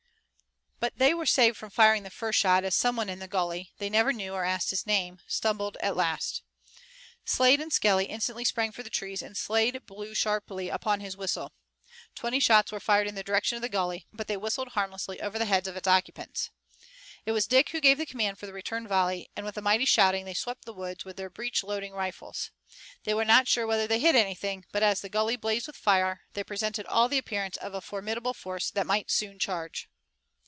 But they were saved from firing the first shot as some one in the gully they never knew or asked his name stumbled at last. Slade and Skelly instantly sprang for the trees and Slade blew sharply upon his whistle. Twenty shots were fired in the direction of the gully, but they whistled harmlessly over the heads of its occupants. It was Dick who gave the command for the return volley, and with a mighty shouting they swept the woods with their breech loading rifles. They were not sure whether they hit anything, but as the gully blazed with fire they presented all the appearance of a formidable force that might soon charge.